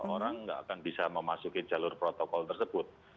orang nggak akan bisa memasuki jalur protokol tersebut